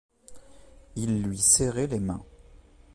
Ils lui serraient les mains.